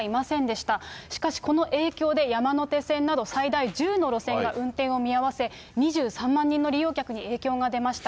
しかしこの影響で、山手線など、最大１０の路線が運転を見合わせ、２３万人の利用客に影響が出ました。